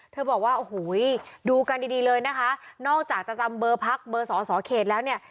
บอกว่าโอ้โหดูกันดีดีเลยนะคะนอกจากจะจำเบอร์พักเบอร์สอสอเขตแล้วเนี่ย